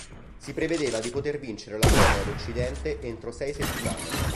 Si prevedeva di poter vincere la guerra ad occidente entro sei settimane.